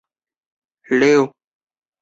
故事以第一人称讲述。